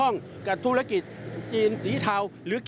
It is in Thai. ในพลตำรวจเอก